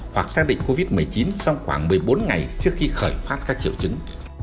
hoặc xác định covid một mươi chín trong khoảng một mươi bốn ngày trước khi khởi phát các triệu chứng